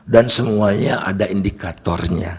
dan semuanya ada indikatornya